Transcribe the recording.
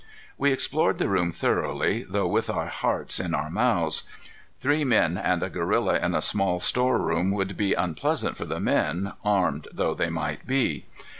We explored the room thoroughly, though with our hearts in our mouths. Three men and a gorilla in a small store room would be unpleasant for the men, armed though they might be.